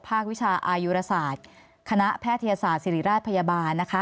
วิชาอายุรศาสตร์คณะแพทยศาสตร์ศิริราชพยาบาลนะคะ